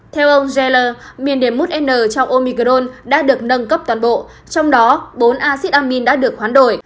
theo ông geller miền điểm một n trong omicron đã được nâng cấp toàn bộ trong đó bốn acid amine đã được khoán đổi